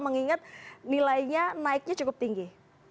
mengingat nilainya naiknya cukup tinggi